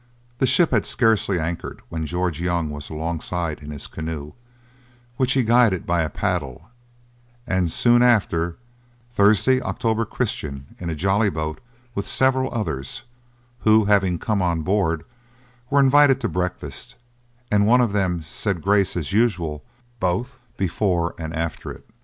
The ship had scarcely anchored when George Young was alongside in his canoe, which he guided by a paddle; and soon after Thursday October Christian, in a jolly boat, with several others, who, having come on board, were invited to breakfast, and one of them said grace as usual both before and after it.